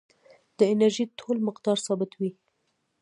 د انرژۍ ټول مقدار ثابت وي.